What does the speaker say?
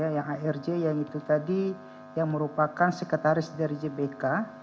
yang arj yang itu tadi yang merupakan sekretaris dari jbk